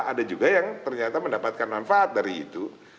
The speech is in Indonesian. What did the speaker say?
ada juga yang ternyata mendapatkan manfaat dari itu